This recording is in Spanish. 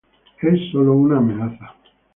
Es sólo una amenaza.